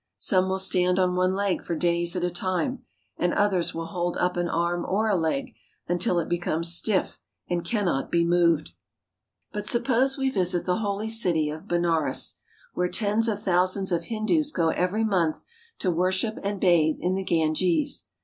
Some will stand on one leg for days at a time, and others will hold up an arm or a leg until it becomes stiff and cannot be moved. But suppose we visit the holy city of Benares, where tens of thousands of Hindus go every month to worship and bathe in the Ganges.